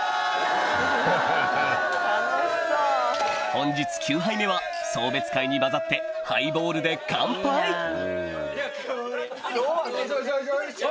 本日９杯目は送別会に交ざってハイボールで乾杯・よいしょよいしょ！